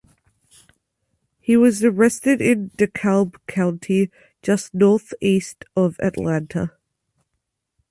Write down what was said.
He was arrested in DeKalb county, just northeast of Atlanta.